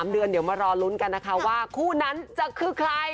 เดือนเดี๋ยวมารอลุ้นกันนะคะว่าคู่นั้นจะคือใคร